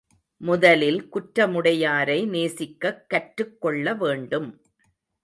முதலில் குற்றமுடையாரை நேசிக்கக் கற்றுக் கொள்ள வேண்டும்.